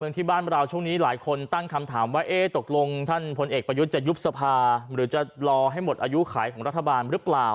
ที่บ้านเราช่วงนี้หลายคนตั้งคำถามว่าเอ๊ะตกลงท่านพลเอกประยุทธ์จะยุบสภาหรือจะรอให้หมดอายุขายของรัฐบาลหรือเปล่า